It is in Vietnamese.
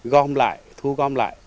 gom lại thu gom lại